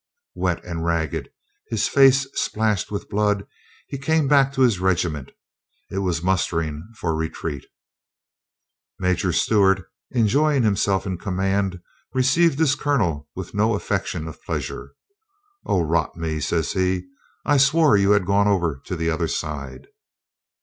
Wet and ragged, his face splashed with blood, he came back to his regiment. It was mustering for retreat. Major Stewart, enjoying himself in com mand, received his colonel with no affectation of pleasure. "Od rot me," says he, "I swore you had gone over to the other side."